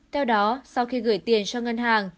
theo đó sau khi gửi tiền cho ngân hàng